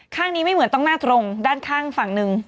ข้างนี้ไม่เหมือนต้องหน้าตรงด้านข้างฝั่งหนึ่ง